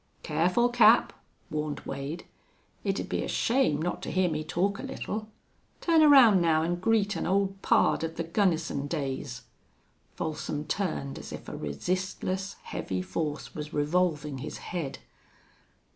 "Careful, Cap!" warned Wade. "It'd be a shame not to hear me talk a little.... Turn around now an' greet an old pard of the Gunnison days." Folsom turned as if a resistless, heavy force was revolving his head.